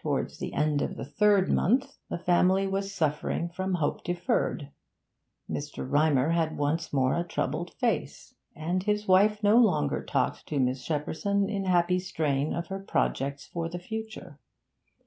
Towards the end of the third month the family was suffering from hope deferred. Mr. Rymer had once more a troubled face, and his wife no longer talked to Miss Shepperson in happy strain of her projects for the future.